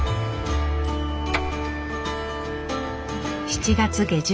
７月下旬。